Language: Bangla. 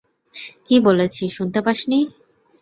কী বলেছি শুনতে পাসনি?